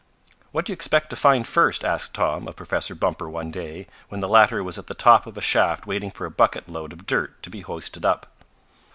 "What do you expect to find first?" asked Tom of Professor Bumper one day, when the latter was at the top of a shaft waiting for a bucket load of dirt to be hoisted up.